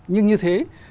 nhưng như thế